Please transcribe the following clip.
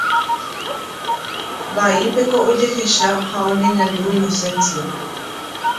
Vaípeko ojehecha ha oñeñandu Inocencia.